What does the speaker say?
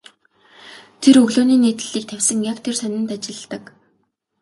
Тэр өглөөний нийтлэлийг тавьсан яг тэр сонинд ажилладаг.